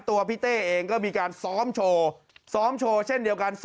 ตัวพี่เต้เองก็มีการซ้อมโชว์ซ้อมโชว์เช่นเดียวกัน